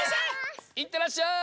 いってらっしゃい！